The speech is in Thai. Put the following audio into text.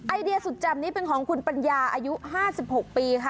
ไอเดียสุดแจ่มนี้เป็นของคุณปัญญาอายุ๕๖ปีค่ะ